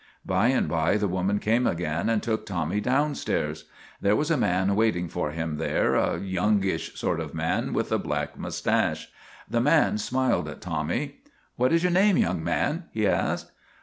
By and by the woman came again and took Tommy downstairs. There was a man waiting for him there a youngish sort of man with a black mustache. The man smiled at Tommy. ; What is your name, young man? " he asked.